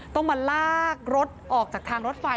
ต้องมาลากรถออกจากทางรถไฟ